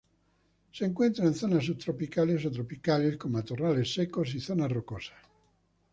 Se encuentra en zonas subtropicales o tropicales con matorrales secos y zonas rocosas.